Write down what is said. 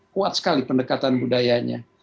kuat sekali pendekatan budayanya